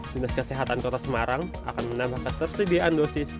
dinas kesehatan kota semarang akan menambahkan tersediaan dosis